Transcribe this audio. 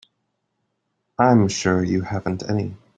I'm sure you haven't any.